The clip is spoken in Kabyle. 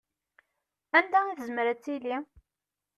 Anda i tezmer ad tili?